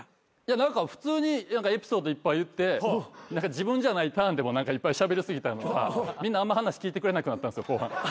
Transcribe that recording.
何か普通にエピソードいっぱい言って自分じゃないターンでもいっぱいしゃべり過ぎたのかみんなあんま話聞いてくれなくなったんすよ後半。